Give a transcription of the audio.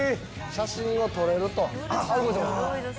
◆写真が撮れると。